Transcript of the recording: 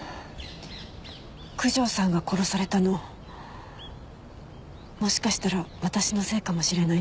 九条さんが殺されたのもしかしたら私のせいかもしれないんです。